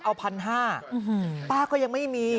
เอา๑๕๐๐ป้าก็ยังไม่มี